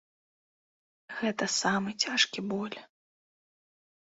Гэта самы цяжкі боль.